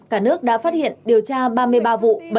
cả nước đã phát hiện điều tra ba mươi ba vụ